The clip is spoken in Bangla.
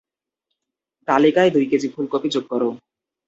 তালিকায় দুই কেজি ফুলকপি যোগ করো।